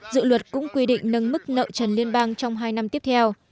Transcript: dự luật cũng quy định nâng mức nợ trần liên bang trong hai năm tiếp theo